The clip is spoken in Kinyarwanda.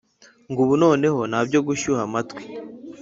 Ngubu noneho ntabyo gushyuha amatwi